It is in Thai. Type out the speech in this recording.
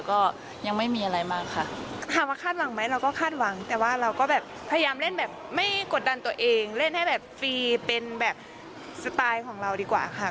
ก็ตามที่หวังไว้ก็อย่างน้อยก็ได้๒